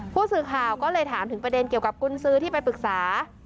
ผู้สื่อข่าวก็เลยถามถึงประเด็นเกี่ยวกับกุญซื้อที่ไปปรึกษา